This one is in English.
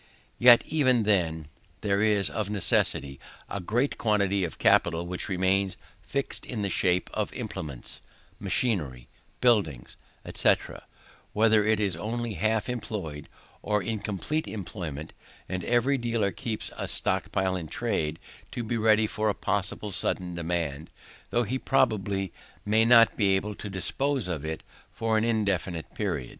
Yet even then, there is, of necessity, a great quantity of capital which remains fixed in the shape of implements, machinery, buildings, &c, whether it is only half employed, or in complete employment: and every dealer keeps a stock in trade, to be ready for a possible sudden demand, though he probably may not be able to dispose of it for an indefinite period.